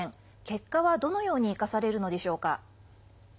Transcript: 結果はどのように生かされるのでしょうか？